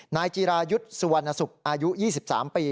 นายจีรายุทธ์สุวรรณสุขอายุ๒๓ปี